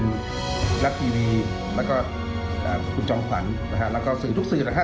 ไทยรัฐทีวีแล้วก็คุณจอมขวัญนะฮะแล้วก็สื่อทุกสื่อนะครับ